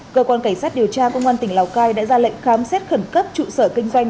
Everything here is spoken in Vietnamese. cơ quan cảnh sát điều tra công an tỉnh lào cai đã ra lệnh khám xét khẩn cấp trụ sở kinh doanh